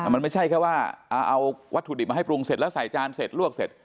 มันไม่ใช่แค่ว่าเอาวัตถุดิบมาให้ปรุงเสร็จแล้วใส่จานเสร็จลวกเสร็จ